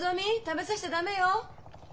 食べさしちゃ駄目よ。